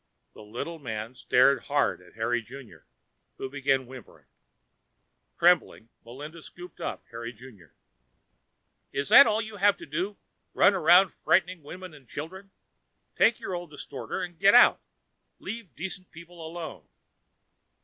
The little man stared hard at Harry Junior, who began whimpering. Trembling, Melinda scooped up Harry Junior. "Is that all you have to do run around frightening women and children? Take your old distorter and get out. Leave decent people alone!"